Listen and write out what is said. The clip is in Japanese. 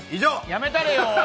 やめたれよー。